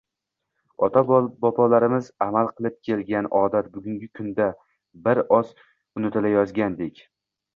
Ota-boblarimiz amal qilib kelgan odat bugungi kunda bir oz unutilayozgandek.